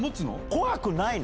怖くないの？